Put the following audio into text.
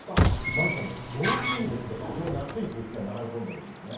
まず、上空に非常に暑い空気が流れ込んでるんですね。